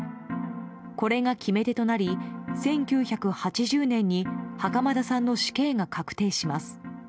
これが決め手となり１９８０年に袴田さんの死刑が確定します。